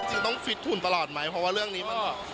จริงต้องฟิตทุนตลอดไหมเพราะว่าเรื่องนี้มันแบบ